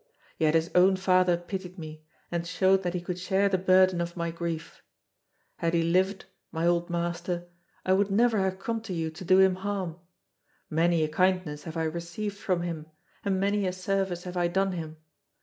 Yet his own father pitied me, and showed that he could share the burden of my grief. Had he lived, my old master, I would never have come to you to do him harm; many a kindness have I received from him, and many a service have I done him.